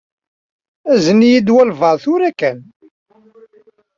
Azen-iyi-d walebɛaḍ tura yakan.